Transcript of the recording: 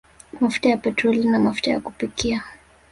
Mafuta ya petroli na mafuta ya kupikia